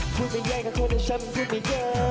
พูดไม่ใหญ่กับคนเดียวฉันมันพูดไม่เจอ